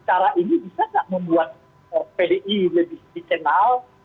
cara ini bisa nggak membuat pdi lebih dikenal